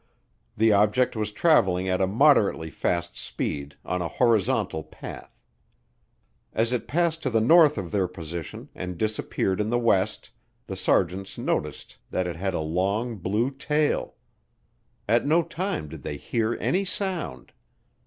The object was traveling at a moderately fast speed on a horizontal path. As it passed to the north of their position and disappeared in the west, the sergeants noted that it had a long blue tail. At no time did they hear any sound.